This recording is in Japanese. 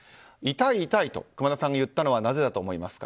痛い、痛いと熊田さんが言ったのはなぜだと思いますか？